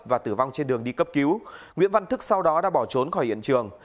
và tử vong trên đường đi cấp cứu nguyễn văn thức sau đó đã bỏ trốn khỏi hiện trường